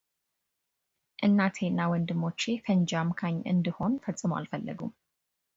እናቴ እና ወንድሞቼ ፈንጂ አምካኝ እንድሆን ፈጽሞ አልፈለጉም።